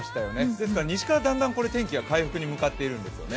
ですから西からだんだん天気が回復に向かっているんですよね。